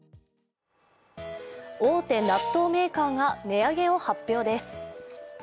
大手納豆メーカーが値上げを発表です。